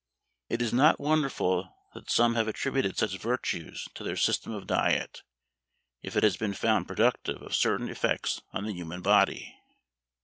It is not wonderful that some have attributed such virtues to their system of diet, if it has been found productive of certain effects on the human body.